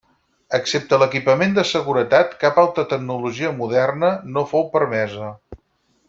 Excepte l'equipament de seguretat, cap altra tecnologia moderna no fou permesa.